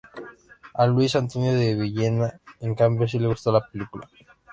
A Luis Antonio de Villena, en cambio, sí le gustó la película.